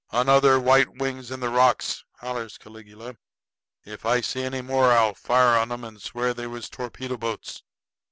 "Another white wings on the rocks!" hollers Caligula. "If I see any more I'll fire on 'em and swear they was torpedo boats!"